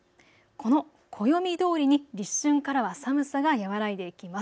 この暦どおりに立春からは寒さが和らいでいきます。